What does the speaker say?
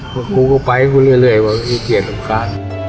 ว่ากูก็ไปกูเรื่อยเรื่อยว่าพี่เกลียดลูกค้า